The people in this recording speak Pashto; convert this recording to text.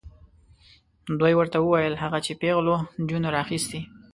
دوی ورته وویل هغه چې پیغلو نجونو راخیستې.